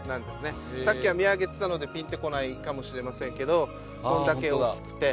さっきは見上げてたのでピンとこないかもしれませんけどこんだけ大きくて。